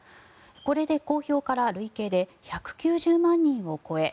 これで公表から累計で１９０万人を超え